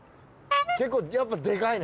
結構やっぱでかいね。